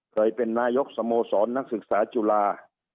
เคยเป็นนายกสโมสรนักศึกษาจุฬา